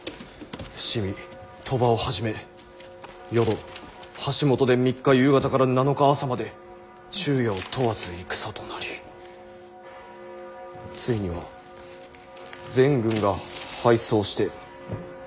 「伏見鳥羽をはじめ淀橋本で３日夕方から７日朝まで昼夜を問わず戦となりついには全軍が敗走して枚方守口まで撤退」。